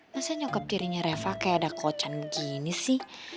masa nyokap dirinya reva kaya ada kocan begini sih